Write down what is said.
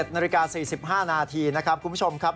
๑นาฬิกา๔๕นาทีนะครับคุณผู้ชมครับ